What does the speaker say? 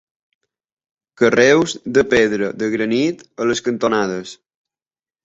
Carreus de pedra de granit a les cantonades.